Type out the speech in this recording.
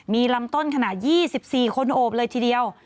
มีลำต้นขนาด๒๔คนโอบเลยทีเดียว